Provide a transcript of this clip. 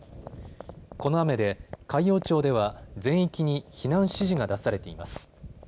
この雨で海陽町では全域に避難指示が出されています。